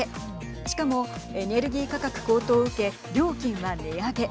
しかもエネルギー価格高騰を受け料金は値上げ。